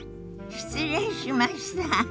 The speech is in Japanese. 失礼しました。